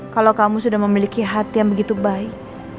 kalau kamu sudah memiliki hati yang begitu baik